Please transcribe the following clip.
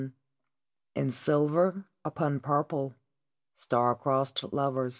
I IN SILVER UPON PURPLE: "STAR CROSS'D LOVERS."